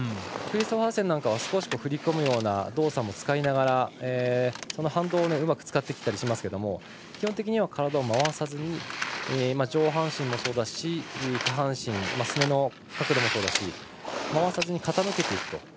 クリストファーセンなんかは少し振り込むような動作を使いながらその反動をうまく使ってきたりしますけれども基本的には体を回さずに上半身もそうだし下半身、角度もそうだしまわさずに傾けていくと。